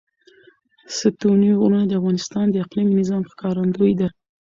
ستوني غرونه د افغانستان د اقلیمي نظام ښکارندوی ده.